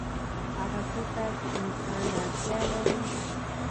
هغه څه ته چې انسان اړتیا لري